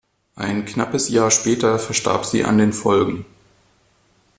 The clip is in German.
Ein knappes Jahr später verstarb sie an den Folgen.